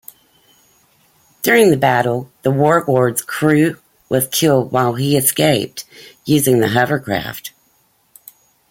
During the battle, The Warlord's crew was killed while he escaped using the hovercraft.